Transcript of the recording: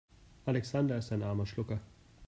Alexander ist ein armer Schlucker.